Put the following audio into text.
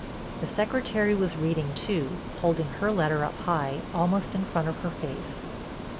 The Secretary was reading too, holding her letter up high, almost in front of her face.